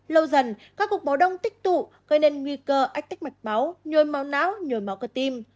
lâu dần các cuộc báo đông tích tụ gây nên nguy cơ ách tích mạch máu nhồi máu não nhồi máu cơ tim